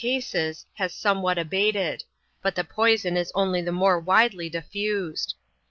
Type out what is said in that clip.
[chap. xnx. has somewhat abated ; but the poison is only the more widely diffused.